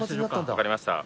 わかりました。